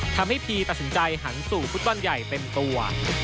พีตัดสินใจหันสู่ฟุตบอลใหญ่เต็มตัว